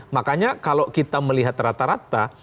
makanya kalau kita melihat rata rata